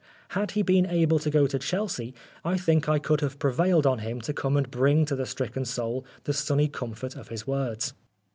Had he been able to go to Chelsea, I think I could have prevailed on him to come and 179 Oscar Wilde bring to the stricken soul the sunny comfort of his words.